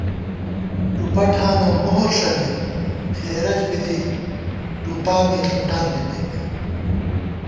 ٹُوپہ ٹھانہ مہر ݭَمېک، خېرَج بی دِی ٹُوپا می ݪُٹان دِمېک